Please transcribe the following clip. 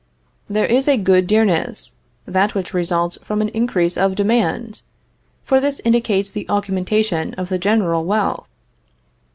There is a good dearness that which results from an increase of demand; for this indicates the augmentation of the general wealth.